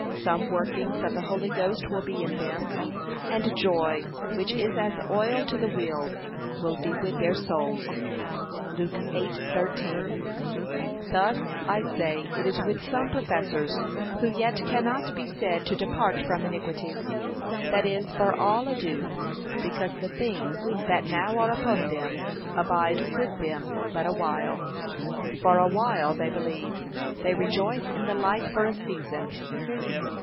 Some workings of the Holy Ghost will be in them. And joy, which is as oil to the wheels, will be with their souls. (Luke 8:13) Thus, I say, it is with some professors, who yet cannot be said to depart from iniquity, that is, for all ado, because the things that now are upon them, abide with them but awhile. 'For awhile they believe: they rejoice in the light for a season.'